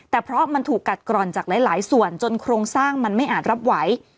แต่เพราะมันถูกกัดกร่อนจากหลายส่วนจนโครงสร้างมันไม่อาจรับไหว